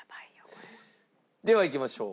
ではいきましょう。